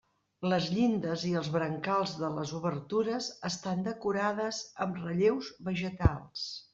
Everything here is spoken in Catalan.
Les llindes i els brancals de les obertures estan decorades amb relleus vegetals.